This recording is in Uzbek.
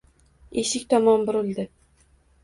eshik tomon burildi.